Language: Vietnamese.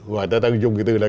gọi ta dùng cái từ là